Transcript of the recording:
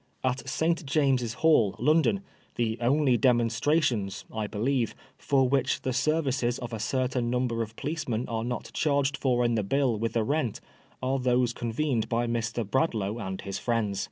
At St. James's Hall, London, the only demonstrations, I believe, for which the services of a certain number of policemen are not charged for in l^e bill with the rent, are those convened by Mr. Bradlaugh and his friends.